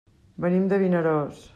Venim de Vinaròs.